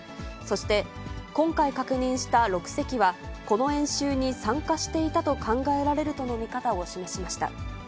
そして、今回確認した６隻は、この演習に参加していたと考えられるとの見方を示しました。